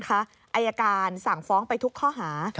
อายการสั่งฟ้องไปทุกข้อหา